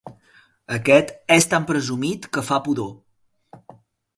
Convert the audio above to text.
Aquest és tan presumit que fa pudor.